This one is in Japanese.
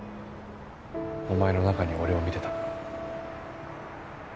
お前の中に俺を見てた。